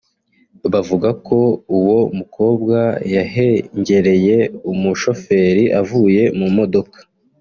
bavuga ko uwo mukobwa yahengereye umushoferi avuye mu modoka